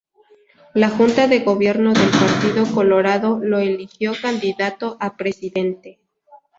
La Junta de Gobierno del Partido Colorado lo eligió candidato a presidente.